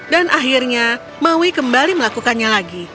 dan akhirnya maui kembali melakukannya lagi